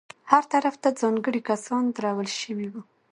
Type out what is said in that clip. هر طرف ته ځانګړي کسان درول شوي وو.